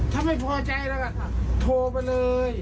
ถ้าไม่พอใจล่ะค่ะโทรไปเลย